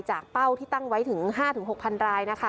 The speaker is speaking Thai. เป้าที่ตั้งไว้ถึง๕๖๐๐รายนะคะ